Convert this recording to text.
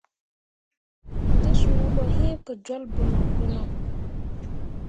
Te suu ɓo yi ke jol bonok bonok.